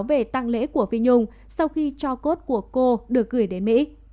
về tăng lễ của vi nhung sau khi cho cốt của cô được gửi đến mỹ